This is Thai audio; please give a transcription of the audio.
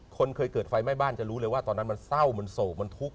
เคยเกิดไฟไหม้บ้านจะรู้เลยว่าตอนนั้นมันเศร้ามันโศกมันทุกข์